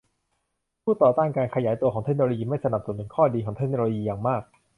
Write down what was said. ผู้ต่อต้านการขยายตัวของเทคโนโลยีไม่สนับสนุนข้อดีของเทคโนโลยีอย่างมาก